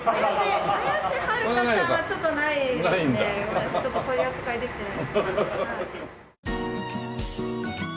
綾瀬はるかちゃんはちょっとないんでごめんなさいちょっと取り扱いできてない。